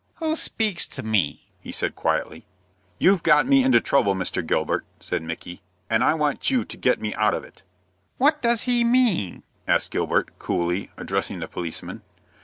"Who speaks to me?" he said, quietly. "You've got me into trouble, Mr. Gilbert," said Micky, "and I want you to get me out of it." "What does he mean?" asked Gilbert, coolly, addressing the policeman.